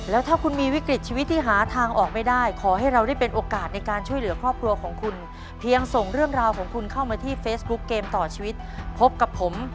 แล้วถ้าคุณมีวิกฤตชีวิตที่หาทางออกไม่ได้ขอให้เราได้เป็นโอกาสในการช่วยเหลือครอบครัวของคุณเพียงส่งเรื่องราวของคุณเข้ามาที่เฟซบุ๊กเกมต่อชีวิตพบกับผม